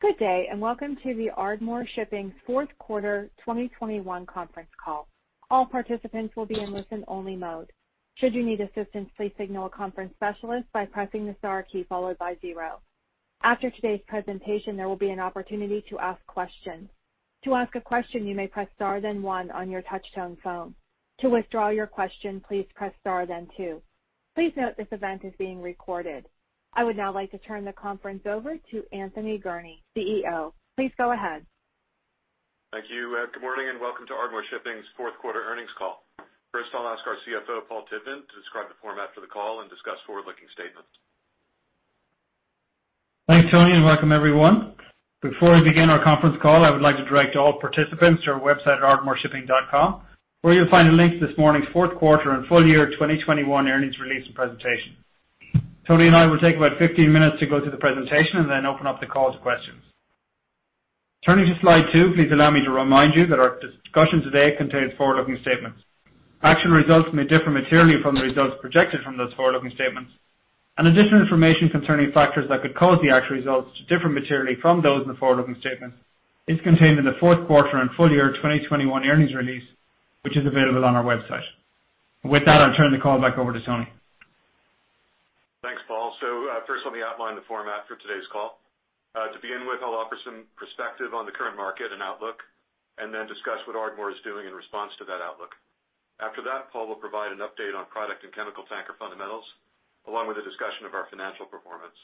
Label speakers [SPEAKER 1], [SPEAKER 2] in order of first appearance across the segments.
[SPEAKER 1] Good day, and welcome to the Ardmore Shipping fourth quarter 2021 conference call. All participants will be in listen-only mode. Should you need assistance, please signal a conference specialist by pressing the star key followed by zero. After today's presentation, there will be an opportunity to ask questions. To ask a question, you may press star then one on your touch-tone phone. To withdraw your question, please press star then two. Please note this event is being recorded. I would now like to turn the conference over to Anthony Gurnee, CEO. Please go ahead.
[SPEAKER 2] Thank you. Good morning and welcome to Ardmore Shipping's fourth quarter earnings call. First, I'll ask our CFO, Paul Tivnan, to describe the format for the call and discuss forward-looking statements.
[SPEAKER 3] Thanks, Tony, and welcome everyone. Before we begin our conference call, I would like to direct all participants to our website at ardmoreshipping.com, where you'll find a link to this morning's fourth quarter and full year 2021 earnings release and presentation. Tony and I will take about 15 minutes to go through the presentation, and then open up the call to questions. Turning to slide two, please allow me to remind you that our discussion today contains forward-looking statements. Actual results may differ materially from the results projected from those forward-looking statements. Additional information concerning factors that could cause the actual results to differ materially from those in the forward-looking statements is contained in the fourth quarter and full year 2021 earnings release, which is available on our website. With that, I'll turn the call back over to Tony.
[SPEAKER 2] Thanks, Paul. First let me outline the format for today's call. To begin with, I'll offer some perspective on the current market and outlook and then discuss what Ardmore is doing in response to that outlook. After that, Paul will provide an update on product and chemical tanker fundamentals, along with a discussion of our financial performance.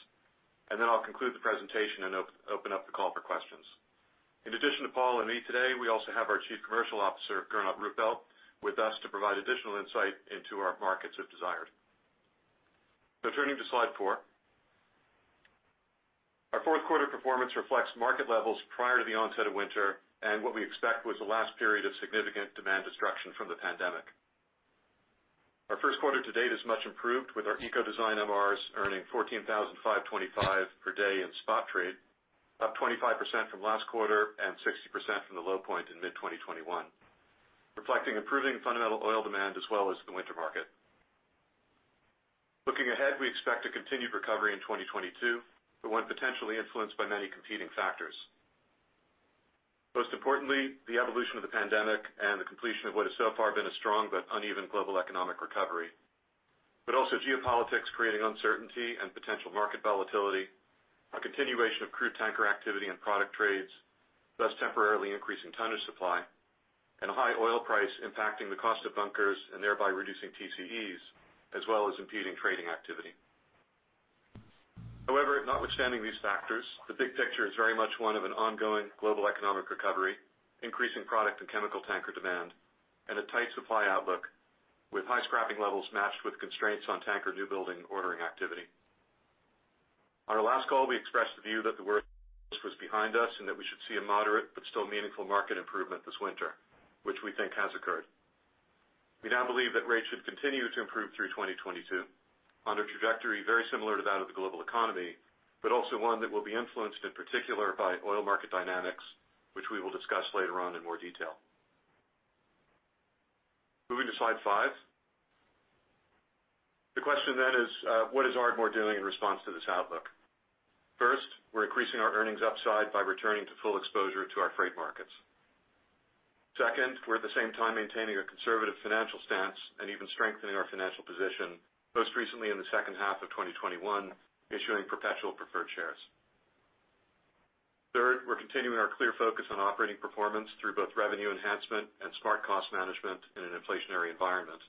[SPEAKER 2] I'll conclude the presentation and open up the call for questions. In addition to Paul and me today, we also have our Chief Commercial Officer, Gernot Ruppelt, with us to provide additional insight into our markets of interest. Turning to slide four. Our fourth quarter performance reflects market levels prior to the onset of winter, and what we expect was the last period of significant demand destruction from the pandemic. Our first quarter to date is much improved, with our Eco-design MRs earning $14,525 per day in spot trade, up 25% from last quarter and 60% from the low point in mid-2021, reflecting improving fundamental oil demand as well as the winter market. Looking ahead, we expect a continued recovery in 2022, but one potentially influenced by many competing factors. Most importantly, the evolution of the pandemic and the completion of what has so far been a strong but uneven global economic recovery. Also geopolitics creating uncertainty and potential market volatility, a continuation of crude tanker activity and product trades, thus temporarily increasing tonnage supply and a high oil price impacting the cost of bunkers and thereby reducing TCEs, as well as impeding trading activity. However, notwithstanding these factors, the big picture is very much one of an ongoing global economic recovery, increasing product and chemical tanker demand, and a tight supply outlook with high scrapping levels matched with constraints on tanker new building and ordering activity. On our last call, we expressed the view that the worst was behind us and that we should see a moderate but still meaningful market improvement this winter, which we think has occurred. We now believe that rates should continue to improve through 2022 on a trajectory very similar to that of the global economy, but also one that will be influenced in particular by oil market dynamics, which we will discuss later on in more detail. Moving to slide five. The question then is, what is Ardmore doing in response to this outlook? First, we're increasing our earnings upside by returning to full exposure to our freight markets. Second, we're at the same time maintaining a conservative financial stance and even strengthening our financial position, most recently in the second half of 2021, issuing perpetual preferred shares. Third, we're continuing our clear focus on operating performance through both revenue enhancement and smart cost management in an inflationary environment.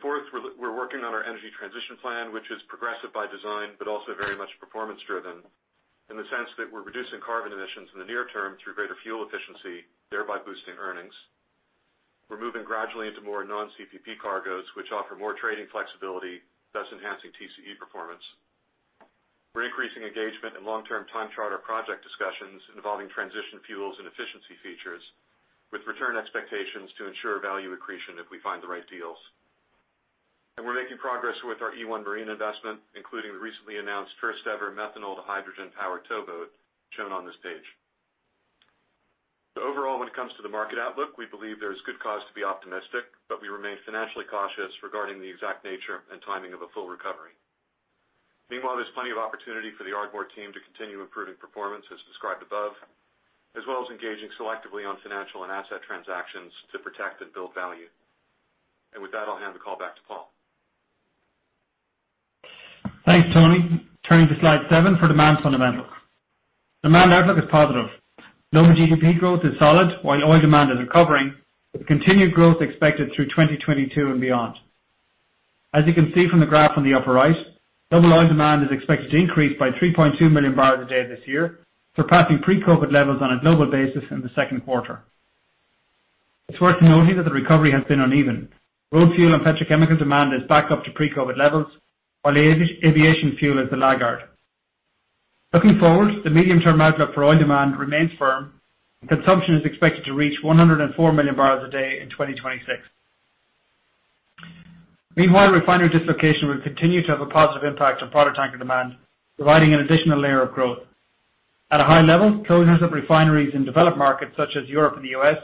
[SPEAKER 2] Fourth, we're working on our Energy Transition Plan, which is progressive by design, but also very much performance-driven in the sense that we're reducing carbon emissions in the near term through greater fuel efficiency, thereby boosting earnings. We're moving gradually into more non-CPP cargoes, which offer more trading flexibility, thus enhancing TCE performance. We're increasing engagement in long-term time charter project discussions involving transition fuels and efficiency features with return expectations to ensure value accretion if we find the right deals. We're making progress with our e1 Marine investment, including the recently announced first-ever methanol-to-hydrogen powered towboat shown on this page. Overall, when it comes to the market outlook, we believe there is good cause to be optimistic, but we remain financially cautious regarding the exact nature and timing of a full recovery. Meanwhile, there's plenty of opportunity for the Ardmore team to continue improving performance as described above, as well as engaging selectively on financial and asset transactions to protect and build value. With that, I'll hand the call back to Paul.
[SPEAKER 3] Thanks, Tony. Turning to slide seven for demand fundamentals. Demand outlook is positive. Global GDP growth is solid, while oil demand is recovering, with continued growth expected through 2022 and beyond. As you can see from the graph on the upper right, global oil demand is expected to increase by 3.2 million bpd this year, surpassing pre-COVID levels on a global basis in the second quarter. It's worth noting that the recovery has been uneven. Road fuel and petrochemical demand is back up to pre-COVID levels, while aviation fuel is the laggard. Looking forward, the medium-term outlook for oil demand remains firm, and consumption is expected to reach 104 million bpd in 2026. Meanwhile, refinery dislocation will continue to have a positive impact on product tanker demand, providing an additional layer of growth. At a high level, closures of refineries in developed markets such as Europe and the U.S.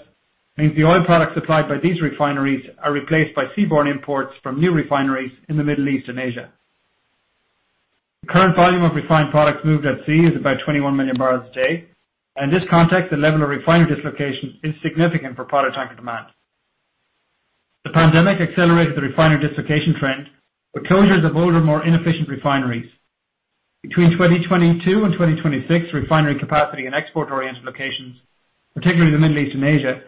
[SPEAKER 3] means the oil products supplied by these refineries are replaced by seaborne imports from new refineries in the Middle East and Asia. The current volume of refined products moved at sea is about 21 million barrels a day. In this context, the level of refinery dislocation is significant for product tanker demand. The pandemic accelerated the refinery dislocation trend, with closures of older, more inefficient refineries. Between 2022 and 2026, refinery capacity in export-oriented locations, particularly the Middle East and Asia,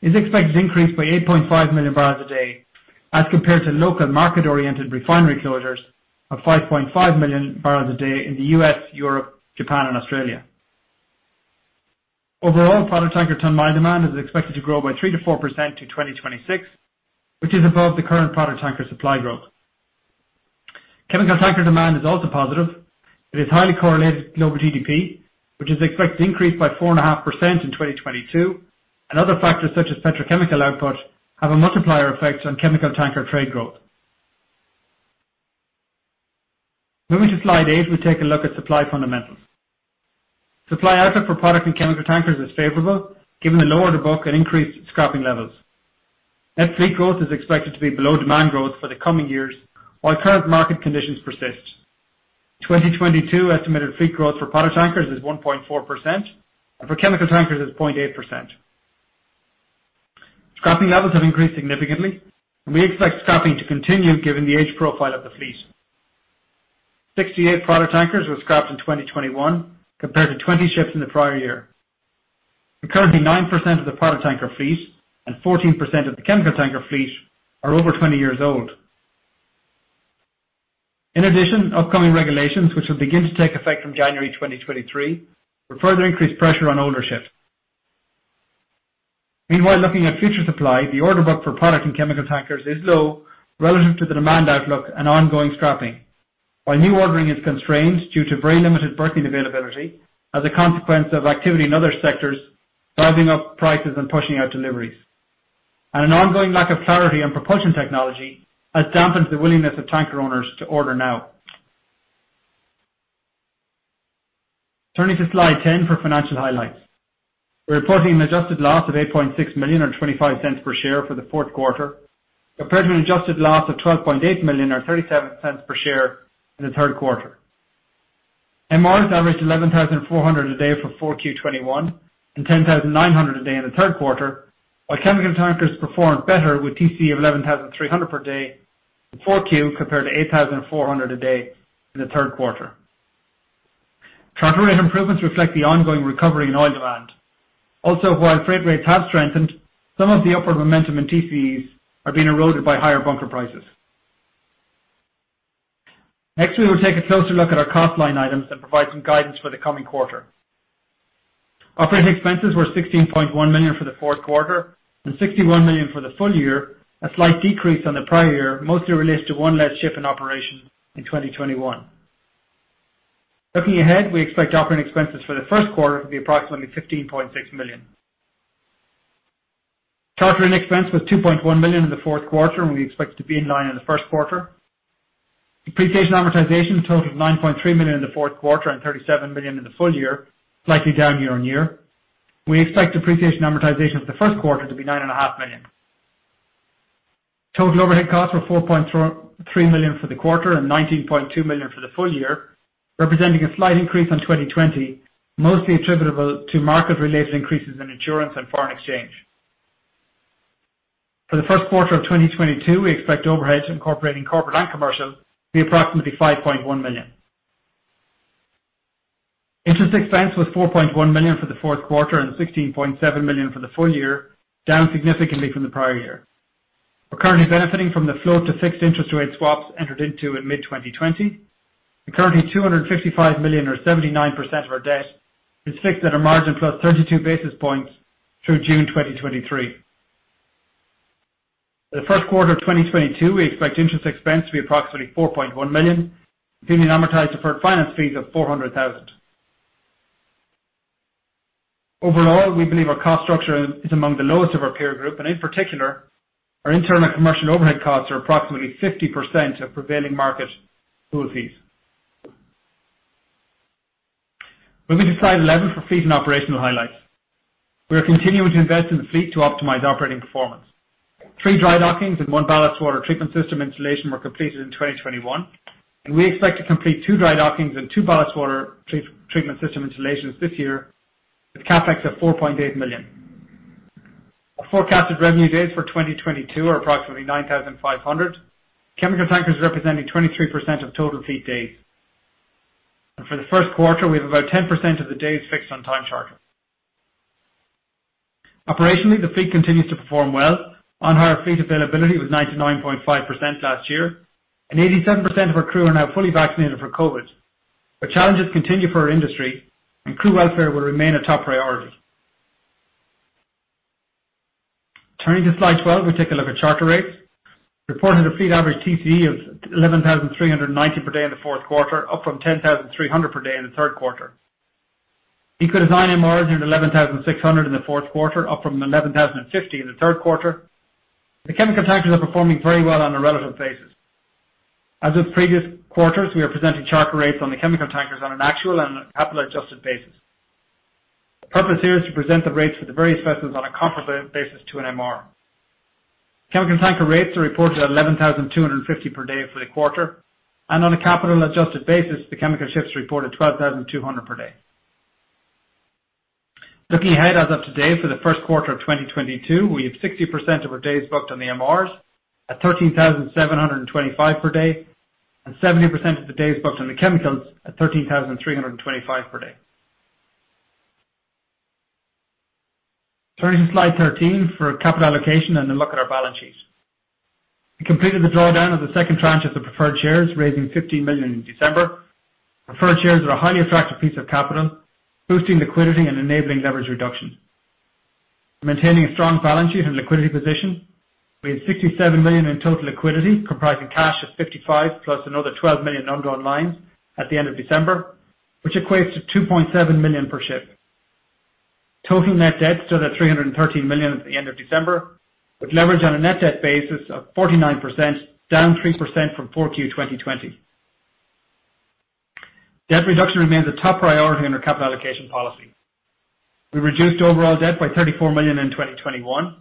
[SPEAKER 3] is expected to increase by 8.5 million bpd. As compared to local market-oriented refinery closures of 5.5 million bpd in the U.S., Europe, Japan, and Australia. Overall, product tanker ton-mile demand is expected to grow by 3%-4% to 2026, which is above the current product tanker supply growth. Chemical tanker demand is also positive. It is highly correlated to global GDP, which is expected to increase by 4.5% in 2022, and other factors such as petrochemical output have a multiplier effect on chemical tanker trade growth. Moving to slide 8, we take a look at supply fundamentals. Supply output for product and chemical tankers is favorable given the lower order book and increased scrapping levels. Net fleet growth is expected to be below demand growth for the coming years while current market conditions persist. 2022 estimated fleet growth for product tankers is 1.4%, and for chemical tankers it's 0.8%. Scrapping levels have increased significantly, and we expect scrapping to continue given the age profile of the fleet. 68 product tankers were scrapped in 2021 compared to 20 ships in the prior year, and currently 9% of the product tanker fleet and 14% of the chemical tanker fleet are over 20 years old. In addition, upcoming regulations, which will begin to take effect from January 2023, will further increase pressure on ownership. Meanwhile, looking at future supply, the order book for product and chemical tankers is low relative to the demand outlook and ongoing scrapping. While new ordering is constrained due to very limited berthing availability as a consequence of activity in other sectors driving up prices and pushing out deliveries. An ongoing lack of clarity on propulsion technology has dampened the willingness of tanker owners to order now. Turning to slide 10 for financial highlights. We're reporting an adjusted loss of $8.6 million or $0.25 per share for the fourth quarter. Compared to an adjusted loss of $12.8 million or $0.37 per share in the third quarter. MRs averaged 11,400 a day for 4Q 2021, and 10,900 a day in the third quarter. While chemical tankers performed better with TC of 11,300 per day in 4Q, compared to 8,400 a day in the third quarter. Charter rate improvements reflect the ongoing recovery in oil demand. Also, while freight rates have strengthened, some of the upward momentum in TCEs are being eroded by higher bunker prices. Next, we will take a closer look at our cost line items and provide some guidance for the coming quarter. Operating expenses were $16.1 million for the fourth quarter and $61 million for the full year, a slight decrease on the prior year, mostly related to one less ship in operation in 2021. Looking ahead, we expect operating expenses for the first quarter to be approximately $15.6 million. Charter in expense was $2.1 million in the fourth quarter, and we expect to be in line in the first quarter. Depreciation amortization totaled $9.3 million in the fourth quarter and $37 million in the full year, slightly down year-over-year. We expect depreciation amortization for the first quarter to be $9.5 million. Total overhead costs were $4.3 million for the quarter and $19.2 million for the full year, representing a slight increase on 2020, mostly attributable to market-related increases in insurance and foreign exchange. For the first quarter of 2022, we expect overheads incorporating corporate and commercial to be approximately $5.1 million. Interest expense was $4.1 million for the fourth quarter and $16.7 million for the full year, down significantly from the prior year. We're currently benefiting from the floating to fixed interest rate swaps entered into in mid-2020. Currently $255 million or 79% of our debt is fixed at a margin plus 32 basis points through June 2023. For the first quarter of 2022, we expect interest expense to be approximately $4.1 million, including amortized preferred finance fees of $400,000. Overall, we believe our cost structure is among the lowest of our peer group, and in particular, our internal commercial overhead costs are approximately 50% of prevailing market pool fees. Moving to slide 11 for fleet and operational highlights. We are continuing to invest in the fleet to optimize operating performance. Three dry dockings and one ballast water treatment system installation were completed in 2021, and we expect to complete two dry dockings and two ballast water treatment system installations this year, with CapEx of $4.8 million. Our forecasted revenue days for 2022 are approximately 9,500. Chemical tankers representing 23% of total fleet days. For the first quarter, we have about 10% of the days fixed on time charter. Operationally, the fleet continues to perform well. On-hire fleet availability was 99.5% last year, and 87% of our crew are now fully vaccinated for COVID. Challenges continue for our industry and crew welfare will remain a top priority. Turning to slide 12, we take a look at charter rates. We reported a fleet average TCE of $11,390 per day in the fourth quarter, up from $10,300 per day in the third quarter. Eco-design MR is $11,600 in the fourth quarter, up from $11,050 in the third quarter. The chemical tankers are performing very well on a relative basis. As with previous quarters, we are presenting charter rates on the chemical tankers on an actual and capital-adjusted basis. The purpose here is to present the rates for the various vessels on a comparable basis to an MR. Chemical tanker rates are reported at $11,250 per day for the quarter, and on a capital-adjusted basis, the chemical ships reported $12,200 per day. Looking ahead, as of today, for the first quarter of 2022, we have 60% of our days booked on the MRs at $13,725 per day, and 70% of the days booked on the chemicals at $13,325 per day. Turning to slide 13 for capital allocation and a look at our balance sheet. We completed the drawdown of the second tranche of the preferred shares, raising $50 million in December. Preferred shares are a highly attractive piece of capital, boosting liquidity and enabling leverage reduction. Maintaining a strong balance sheet and liquidity position, we had $67 million in total liquidity, comprising cash of $55 million plus another $12 million undrawn lines at the end of December, which equates to $2.7 million per ship. Total net debt stood at $313 million at the end of December, with leverage on a net debt basis of 49%, down 3% from 4Q 2020. Debt reduction remains a top priority on our capital allocation policy. We reduced overall debt by $34 million in 2021,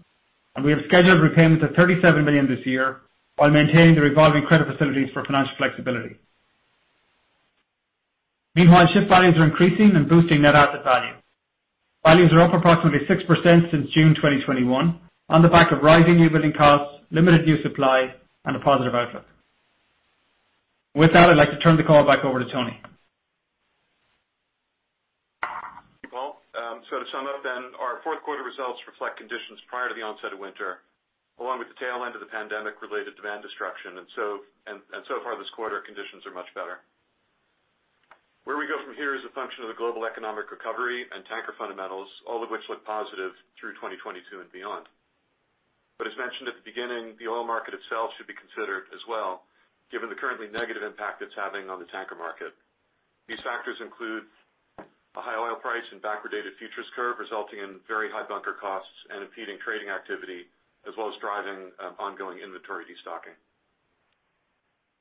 [SPEAKER 3] and we have scheduled repayments of $37 million this year while maintaining the revolving credit facilities for financial flexibility. Meanwhile, ship values are increasing and boosting net asset values. Values are up approximately 6% since June 2021 on the back of rising new building costs, limited new supply, and a positive outlook. With that, I'd like to turn the call back over to Tony.
[SPEAKER 2] To sum up then, our fourth quarter results reflect conditions prior to the onset of winter, along with the tail end of the pandemic-related demand destruction. So far this quarter, conditions are much better. Where we go from here is a function of the global economic recovery and tanker fundamentals, all of which look positive through 2022 and beyond. As mentioned at the beginning, the oil market itself should be considered as well, given the currently negative impact it's having on the tanker market. These factors include a high oil price and backwardated futures curve, resulting in very high bunker costs and impeding trading activity, as well as driving ongoing inventory destocking,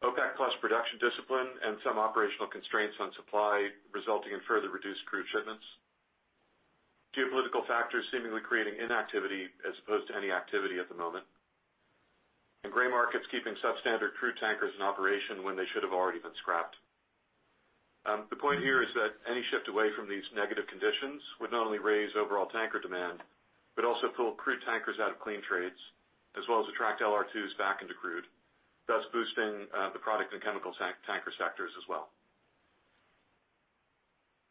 [SPEAKER 2] OPEC+ production discipline and some operational constraints on supply, resulting in further reduced crude shipments, geopolitical factors seemingly creating inactivity as opposed to any activity at the moment. Gray markets keeping substandard crude tankers in operation when they should have already been scrapped. The point here is that any shift away from these negative conditions would not only raise overall tanker demand, but also pull crude tankers out of clean trades, as well as attract LR2s back into crude, thus boosting the product and chemical tank-tanker sectors as well.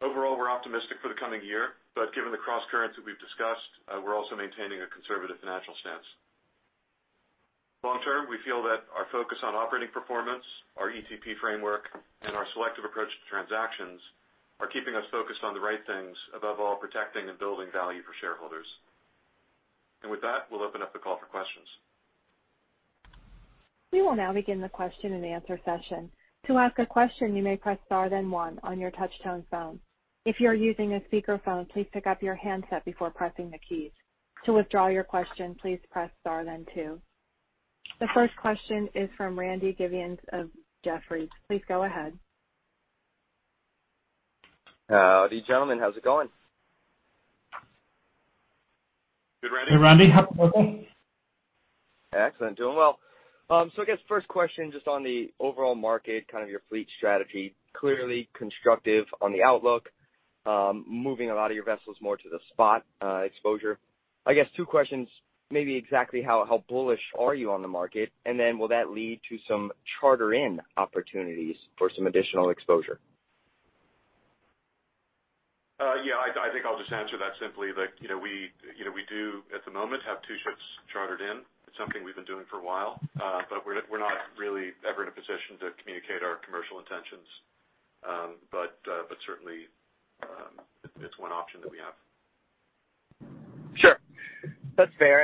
[SPEAKER 2] Overall, we're optimistic for the coming year, but given the crosscurrents that we've discussed, we're also maintaining a conservative financial stance. Long term, we feel that our focus on operating performance, our ETP framework, and our selective approach to transactions are keeping us focused on the right things, above all, protecting and building value for shareholders. With that, we'll open up the call for questions.
[SPEAKER 1] We will now begin the question-and-answer session. To ask a question, you may press star then one on your touch-tone phone. If you're using a speakerphone, please pick up your handset before pressing the keys. To withdraw your question, please press star then two. The first question is from Randy Giveans of Jefferies. Please go ahead.
[SPEAKER 4] How are you, gentlemen? How's it going?
[SPEAKER 2] Good, Randy.
[SPEAKER 3] Hey, Randy. How's it going?
[SPEAKER 4] Excellent. Doing well. I guess first question just on the overall market, kind of your fleet strategy. Clearly constructive on the outlook, moving a lot of your vessels more to the spot exposure. I guess two questions, maybe exactly how bullish are you on the market? And then will that lead to some charter-in opportunities for some additional exposure?
[SPEAKER 2] Yeah, I think I'll just answer that simply that, you know, we, you know, we do, at the moment, have two ships chartered in. It's something we've been doing for a while, but we're not really ever in a position to communicate our commercial intentions. Certainly, it's one option that we have.
[SPEAKER 4] Sure. That's fair.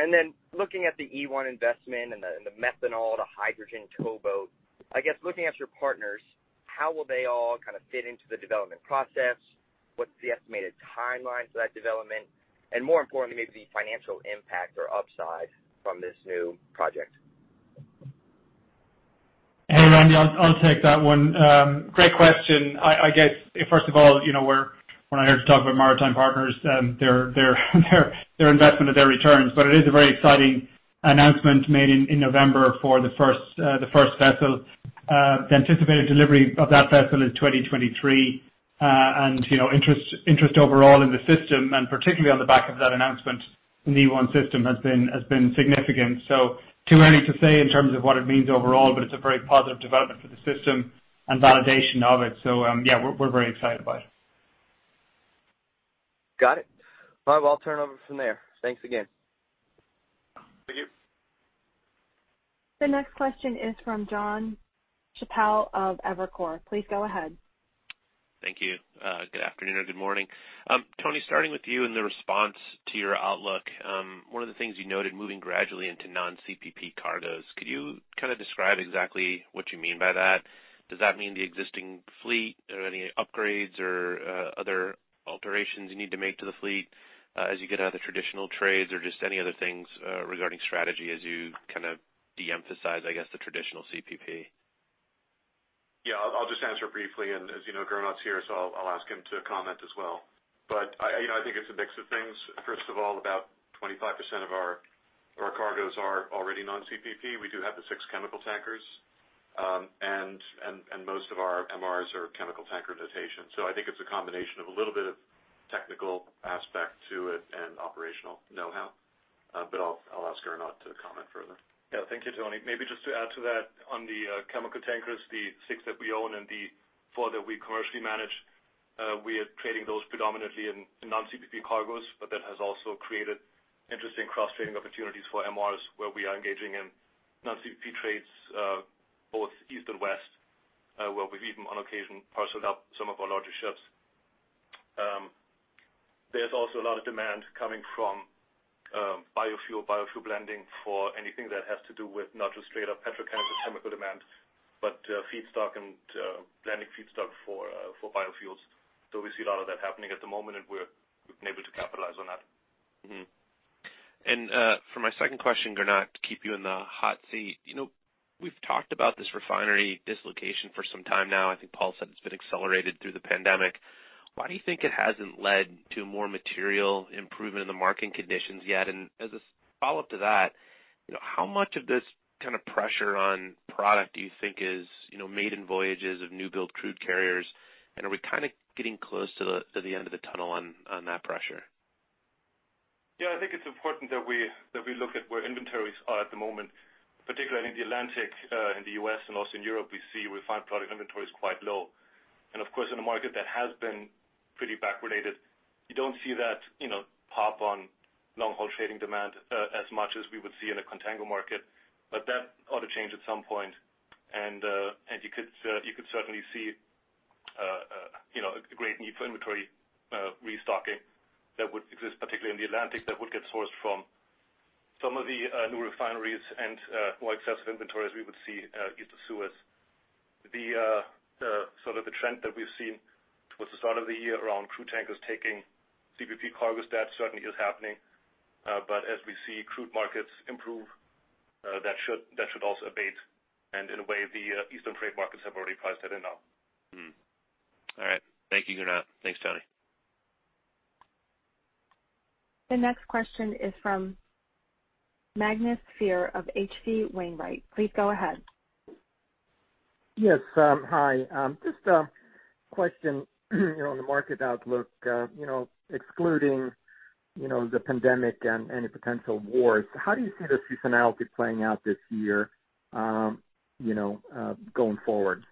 [SPEAKER 4] Looking at the e1 investment and the methanol, the hydrogen towboat, I guess, looking at your partners, how will they all kind of fit into the development process? What's the estimated timeline for that development? More importantly, maybe financial impact or upside from this new project.
[SPEAKER 3] Hey, Randy, I'll take that one. Great question. I guess, first of all, you know, when I heard you talk about Maritime Partners, their investment and their returns, but it is a very exciting announcement made in November for the first vessel. The anticipated delivery of that vessel is 2023. You know, interest overall in the system, and particularly on the back of that announcement in the e1 system has been significant. Too early to say in terms of what it means overall, but it's a very positive development for the system and validation of it. Yeah, we're very excited about it.
[SPEAKER 4] Got it. All right, well, I'll turn it over from there. Thanks again.
[SPEAKER 2] Thank you.
[SPEAKER 1] The next question is from Jonathan Chappell of Evercore. Please go ahead.
[SPEAKER 5] Thank you. Good afternoon or good morning. Tony, starting with you in the response to your outlook, one of the things you noted moving gradually into non-CPP cargoes. Could you kind of describe exactly what you mean by that? Does that mean the existing fleet or any upgrades or other alterations you need to make to the fleet as you get out of traditional trades or just any other things regarding strategy as you kind of de-emphasize, I guess, the traditional CPP?
[SPEAKER 2] Yeah, I'll just answer briefly, and as you know, Gernot's here, so I'll ask him to comment as well. I, you know, I think it's a mix of things. First of all, about 25% of our cargoes are already non-CPP. We do have the six chemical tankers, and most of our MRs are chemical tanker notation. I think it's a combination of a little bit of technical aspect to it and operational know-how. I'll ask Gernot to comment further.
[SPEAKER 6] Yeah. Thank you, Anthony. Maybe just to add to that on the chemical tankers, the six that we own and the four that we commercially manage, we are trading those predominantly in non-CPP cargoes, but that has also created interesting cross-trading opportunities for MRs where we are engaging in non-CPP trades, both East and West, where we've even on occasion parceled out some of our larger ships. There's also a lot of demand coming from biofuel blending for anything that has to do with not just straight up petrochemical demand, but feedstock and blending feedstock for biofuels. We see a lot of that happening at the moment, and we've been able to capitalize on that.
[SPEAKER 5] Mm-hmm. For my second question, Gernot, to keep you in the hot seat, you know, we've talked about this refinery dislocation for some time now. I think Paul said it's been accelerated through the pandemic. Why do you think it hasn't led to more material improvement in the market conditions yet? As a follow-up to that, you know, how much of this kind of pressure on product do you think is, you know, maiden voyages of new build crude carriers? Are we kind of getting close to the end of the tunnel on that pressure?
[SPEAKER 6] Yeah. I think it's important that we look at where inventories are at the moment, particularly in the Atlantic, in the U.S. and also in Europe. We see refined product inventory is quite low. Of course, in a market that has been pretty backwardation, you don't see that, you know, pop in long-haul trading demand, as much as we would see in a contango market. That ought to change at some point. You could certainly see, you know, a great need for inventory restocking that would exist, particularly in the Atlantic, that would get sourced from some of the new refineries and more excess inventories we would see East of Suez. The sort of the trend that we've seen towards the start of the year around crude tankers taking CPP cargoes, that certainly is happening. As we see crude markets improve, that should also abate. In a way, the Eastern trade markets have already priced that in now.
[SPEAKER 5] Mm-hmm. All right. Thank you, Gernot. Thanks, Tony.
[SPEAKER 1] The next question is from Magnus Fyhr of H.C. Wainwright. Please go ahead.
[SPEAKER 7] Yes. Hi. Just a question, you know, on the market outlook, you know, excluding, you know, the pandemic and any potential wars, how do you see the seasonality playing out this year, you know, going forward?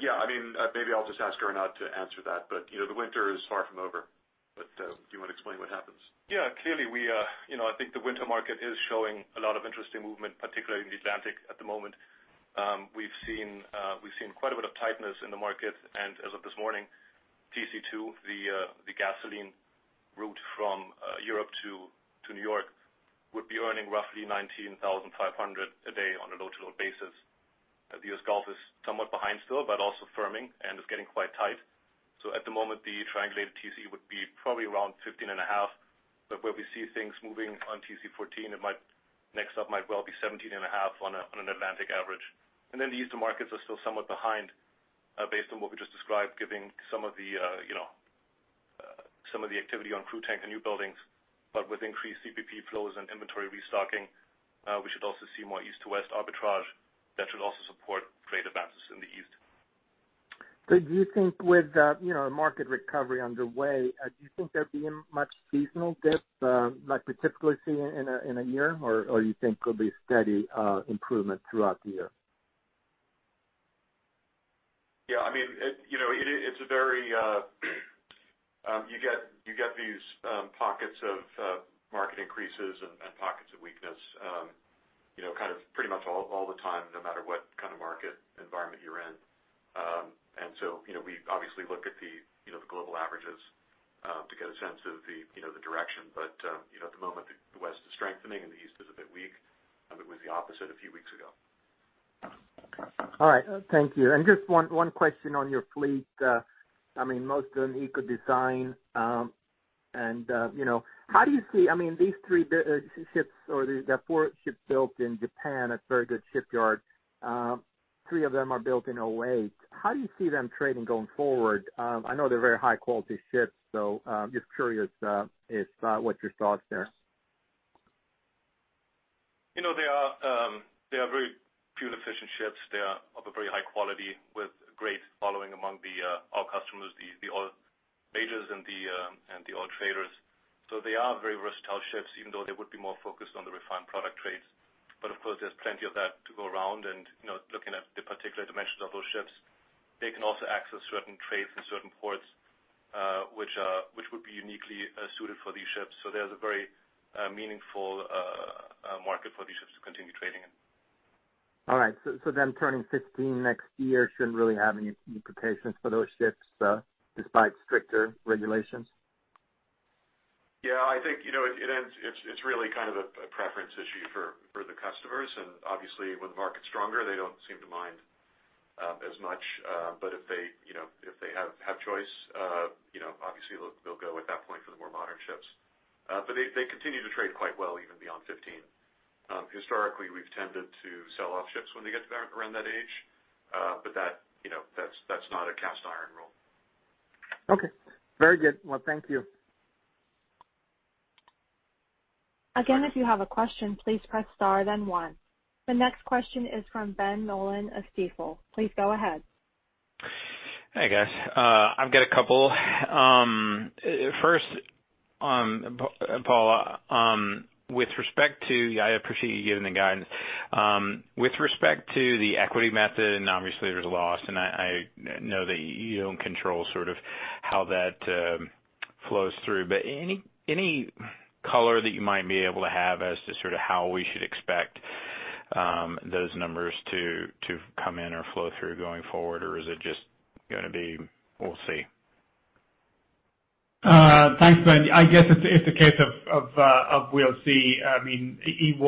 [SPEAKER 2] Yeah, I mean, maybe I'll just ask Gernot to answer that. You know, the winter is far from over. Do you wanna explain what happens?
[SPEAKER 6] Yeah. Clearly, we, you know, I think the winter market is showing a lot of interesting movement, particularly in the Atlantic at the moment. We've seen quite a bit of tightness in the market, and as of this morning, TC2, the gasoline route from Europe to New York, would be earning roughly $19,500 a day on a load to load basis. The U.S. Gulf is somewhat behind still, but also firming and is getting quite tight. At the moment, the triangulated TC would be probably around $15,500, but where we see things moving on TC14, it might next up, might well be $17,500 on an Atlantic average. The Eastern markets are still somewhat behind, based on what we just described, giving some of the, you know, some of the activity on crude tanker newbuildings. With increased CPP flows and inventory restocking, we should also see more East to West arbitrage that should also support freight advances in the East.
[SPEAKER 7] Do you think with you know market recovery underway do you think there'd be much seasonal dip like we typically see in a year or you think it'll be steady improvement throughout the year?
[SPEAKER 2] Yeah, I mean, you know, it's a very you get these pockets of market increases and pockets of weakness, you know, kind of pretty much all the time, no matter what kind of market environment you're in. You know, we obviously look at the, you know, the global averages to get a sense of the, you know, the direction. You know, at the moment the West is strengthening and the East is a bit weak, and it was the opposite a few weeks ago.
[SPEAKER 7] All right. Thank you. Just one question on your fleet. I mean, most of them Eco-design, and you know, how do you see I mean, these three ships or the four ships built in Japan at a very good shipyard. Three of them are built in 2008. How do you see them trading going forward? I know they're very high quality ships, so just curious, if what your thoughts there?
[SPEAKER 6] You know, they are very fuel efficient ships. They are of a very high quality with great following among our customers, the oil majors and the oil traders. They are very versatile ships, even though they would be more focused on the refined product trades. Of course, there's plenty of that to go around. You know, looking at the particular dimensions of those ships, they can also access certain trades in certain ports, which would be uniquely suited for these ships. There's a very meaningful market for these ships to continue trading in.
[SPEAKER 7] All right. Turning 15 next year shouldn't really have any implications for those ships, despite stricter regulations?
[SPEAKER 2] Yeah, I think, you know, it's really kind of a preference issue for the customers, and obviously when the market's stronger, they don't seem to mind as much. But if they, you know, if they have choice, you know, obviously they'll go at that point for the more modern ships. But they continue to trade quite well even beyond 15. Historically we've tended to sell off ships when they get to around that age, but that, you know, that's not a cast iron rule.
[SPEAKER 7] Okay. Very good. Well, thank you.
[SPEAKER 1] Again, if you have a question, please press star then one. The next question is from Ben Nolan of Stifel. Please go ahead.
[SPEAKER 8] Hey guys. I've got a couple. First, Paul, I appreciate you giving the guidance. With respect to the equity method, and obviously there's loss, and I know that you don't control sort of how that flows through? Any color that you might be able to have as to sort of how we should expect those numbers to come in or flow through going forward, or is it just gonna be, we'll see?
[SPEAKER 3] Thanks, Ben. I guess it's a case of we'll see. I mean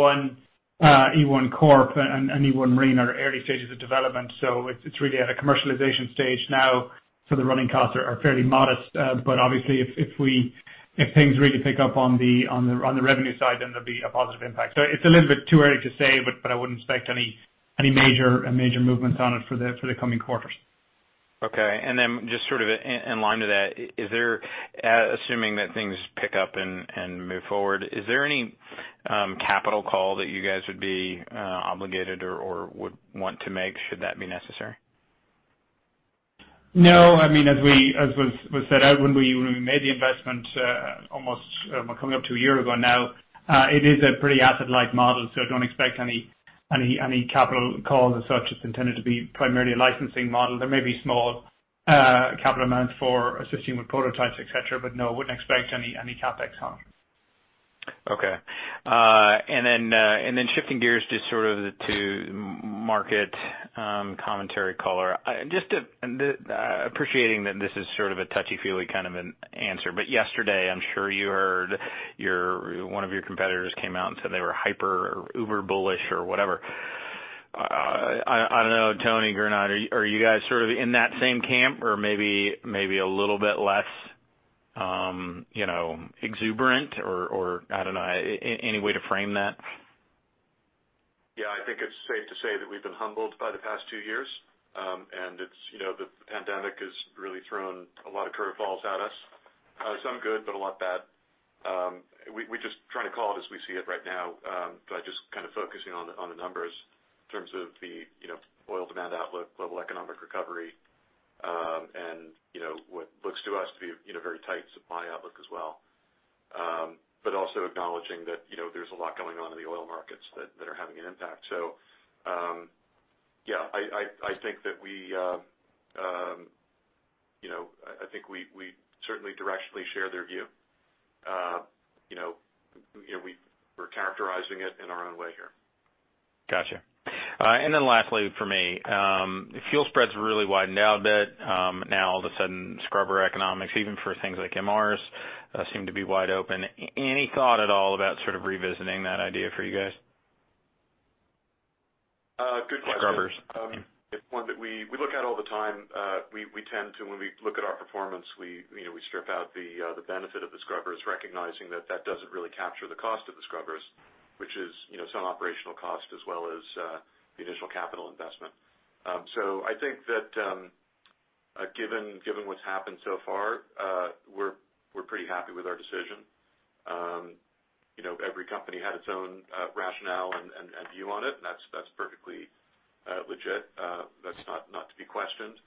[SPEAKER 3] Element 1 Corp. and e1 Marine are early stages of development, so it's really at a commercialization stage now. The running costs are fairly modest. Obviously if things really pick up on the revenue side, then there'll be a positive impact. It's a little bit too early to say, but I wouldn't expect any major movements on it for the coming quarters.
[SPEAKER 8] Okay. Just sort of in line with that, is there, assuming that things pick up and move forward, is there any capital call that you guys would be obligated or would want to make, should that be necessary?
[SPEAKER 3] No. I mean, as was set out when we made the investment, almost coming up to a year ago now, it is a pretty asset-light model, so I don't expect any capital calls as such. It's intended to be primarily a licensing model. There may be small capital amounts for assisting with prototypes, et cetera, but no, I wouldn't expect any CapEx on it.
[SPEAKER 8] Okay. Shifting gears just sort of to market commentary color. Just appreciating that this is sort of a touchy-feely kind of an answer. Yesterday I'm sure you heard one of your competitors came out and said they were hyper or uber bullish or whatever. I don't know, Tony, Gernot, are you guys sort of in that same camp or maybe a little bit less, you know, exuberant or I don't know, any way to frame that?
[SPEAKER 2] Yeah. I think it's safe to say that we've been humbled by the past two years. It's, you know, the pandemic has really thrown a lot of curve balls at us. Some good, but a lot bad. We just trying to call it as we see it right now, by just kind of focusing on the numbers in terms of the, you know, oil demand outlook, global economic recovery, and you know, what looks to us to be, you know, very tight supply outlook as well. Also acknowledging that, you know, there's a lot going on in the oil markets that are having an impact. Yeah, I think that we, you know, I think we certainly directionally share their view. You know, we're characterizing it in our own way here.
[SPEAKER 8] Gotcha. Lastly for me, fuel spreads have really widened out a bit. Now all of a sudden scrubber economics, even for things like MRs, seem to be wide open. Any thought at all about sort of revisiting that idea for you guys?
[SPEAKER 2] Good question.
[SPEAKER 8] The scrubbers.
[SPEAKER 2] It's one that we look at all the time. We tend to, when we look at our performance, we you know, we strip out the benefit of the scrubbers, recognizing that that doesn't really capture the cost of the scrubbers, which is, you know, some operational cost as well as the initial capital investment. I think that, given what's happened so far, we're pretty happy with our decision. You know, every company had its own rationale and view on it, and that's perfectly legit. That's not to be questioned.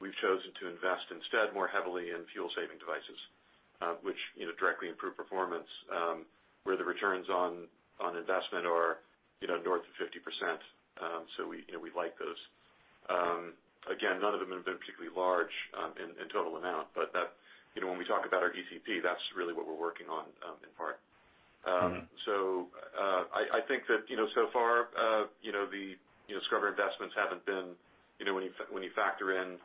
[SPEAKER 2] We've chosen to invest instead more heavily in fuel saving devices, which, you know, directly improve performance, where the returns on investment are, you know, north of 50%. We, you know, we like those. Again, none of them have been particularly large in total amount, but that, you know, when we talk about our DCP, that's really what we're working on in part.
[SPEAKER 8] Mm-hmm.
[SPEAKER 2] I think that, you know, so far, you know, the scrubber investments haven't been, you know, when you factor in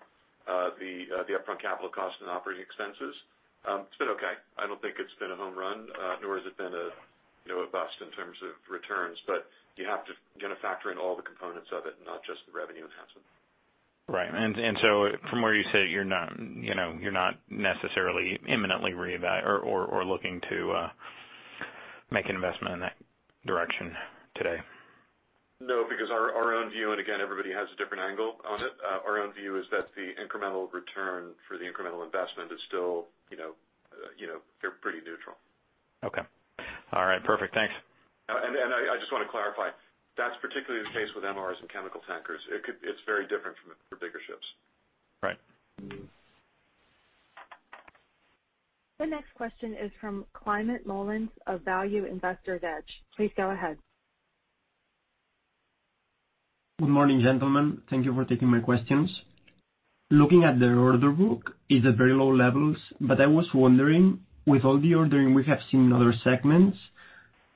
[SPEAKER 2] the upfront capital cost and operating expenses, it's been okay. I don't think it's been a home run, nor has it been a, you know, a bust in terms of returns. You have to, you know, factor in all the components of it, not just the revenue enhancement.
[SPEAKER 8] Right. From where you sit, you're not, you know, necessarily imminently looking to make an investment in that direction today?
[SPEAKER 2] No, because our own view, and again, everybody has a different angle on it. Our own view is that the incremental return for the incremental investment is still, you know, you know, they're pretty neutral.
[SPEAKER 8] Okay. All right, perfect. Thanks.
[SPEAKER 2] I just wanna clarify, that's particularly the case with MRs and chemical tankers. It's very different from for bigger ships.
[SPEAKER 8] Right.
[SPEAKER 1] The next question is from Climent Molins of Value Investor's Edge. Please go ahead.
[SPEAKER 9] Good morning, gentlemen. Thank you for taking my questions. Looking at the order book, it's at very low levels, but I was wondering, with all the ordering we have seen in other segments,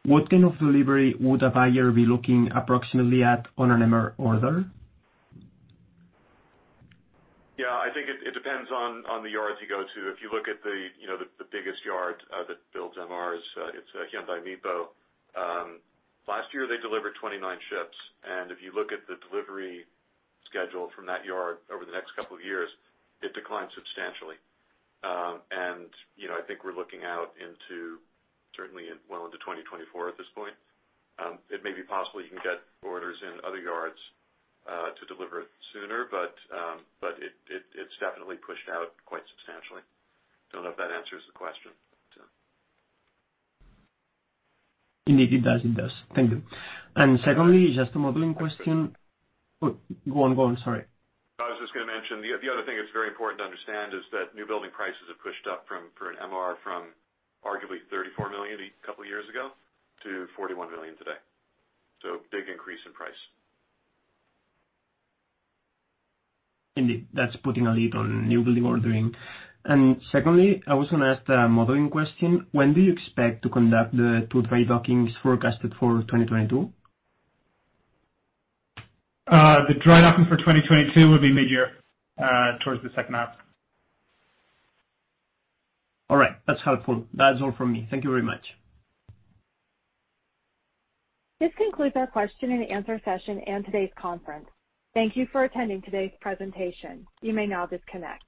[SPEAKER 9] what kind of delivery would a buyer be looking approximately at on an MR order?
[SPEAKER 2] Yeah. I think it depends on the yards you go to. If you look at you know, the biggest yard that builds MRs, it's HD Hyundai Mipo. Last year they delivered 29 ships, and if you look at the delivery schedule from that yard over the next couple of years, it declines substantially. You know, I think we're looking out into certainly well into 2024 at this point. It may be possible you can get orders in other yards to deliver sooner, but it's definitely pushed out quite substantially. Don't know if that answers the question.
[SPEAKER 9] Indeed, it does. Thank you. Secondly, just a modeling question. Oh, go on, sorry.
[SPEAKER 2] I was just gonna mention the other thing that's very important to understand is that new building prices have pushed up from for an MR from arguably $34 million a couple years ago to $41 million today. Big increase in price.
[SPEAKER 9] Indeed. That's putting a lid on newbuilding ordering. Secondly, I was gonna ask a modeling question. When do you expect to conduct the two dry dockings forecasted for 2022?
[SPEAKER 3] The dry docking for 2022 would be midyear, towards the second half.
[SPEAKER 9] All right. That's helpful. That's all from me. Thank you very much.
[SPEAKER 1] This concludes our question and answer session and today's conference. Thank you for attending today's presentation. You may now disconnect.